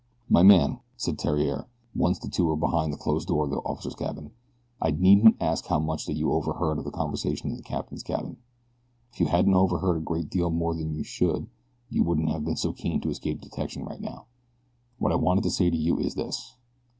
"My man," said Theriere, once the two were behind the closed door of the officer's cabin, "I needn't ask how much you overheard of the conversation in the captain's cabin. If you hadn't overheard a great deal more than you should you wouldn't have been so keen to escape detection just now. What I wanted to say to you is this.